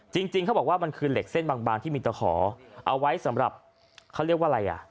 จริงเขาบอกว่ามันคือเหล็กเส้นบางที่มีตะขอเอาไว้สำหรับเขาเรียกว่าอะไรอ่ะ